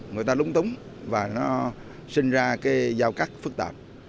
người ta lúng túng và nó sinh ra cái giao cắt phức tạp